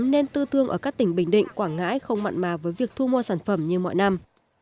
nên tư thương ở các tỉnh bình định quảng ngãi không mặn mà với việc thu mua sản phẩm như mọi năm